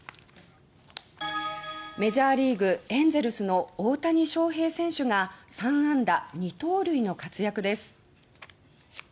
メジャーリーグ、エンゼルスの大谷翔平選手が３安打２盗塁の活躍です。